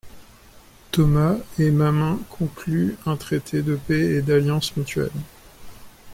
Thomas et Mamūn concluent un traité de paix et d'alliance mutuelle.